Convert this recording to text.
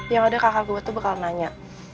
yang udah kakak gue tuh bakal nanya